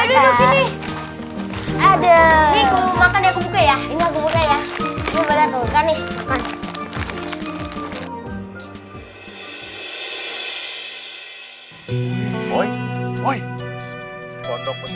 berubah menjadi orang yang lebih baik